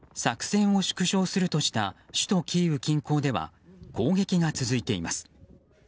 作戦を縮小するとした首都キーウ近郊では